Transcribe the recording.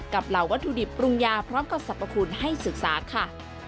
เหล่าวัตถุดิบปรุงยาพร้อมกับสรรพคุณให้ศึกษาค่ะ